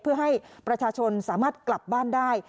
เพื่อให้ประชาชนสามารถกลับบ้านได้